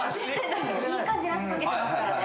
いい感じに汗かけてますからね。